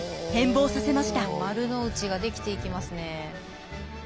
丸の内が出来ていきますね。